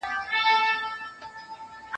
زه هره ورځ د سبا لپاره د نوي لغتونو يادوم!؟